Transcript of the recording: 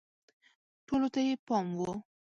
ټولو ته یې پام و